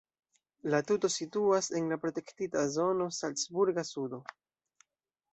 La tuto situas en la protektita zono "Salcburga sudo".